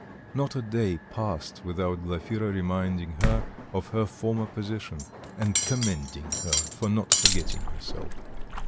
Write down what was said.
Not a day passed without Glafira reminding her of her former position, and commending her for not forgetting herself.